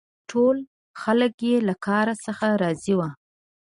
چي ټول خلک یې له کار څخه راضي وه.